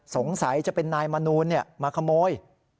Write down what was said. สงสัยจะเป็นนายมนูลมาขโมย